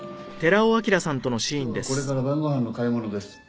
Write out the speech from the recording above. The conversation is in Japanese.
今日はこれから晩ご飯の買い物です。